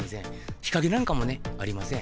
日陰なんかもありません。